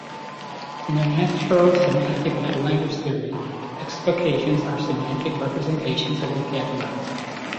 In the Natural Semantic Metalanguage Theory, explications are semantic representations of vocabulary.